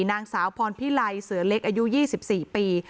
นางสาวพรพิไลเสือเล็กอายุยี่สิบสี่ปี